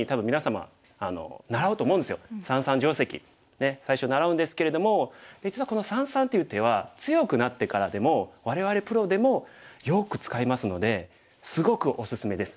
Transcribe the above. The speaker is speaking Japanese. ねえ最初習うんですけれども実はこの三々という手は強くなってからでも我々プロでもよく使いますのですごくおすすめです。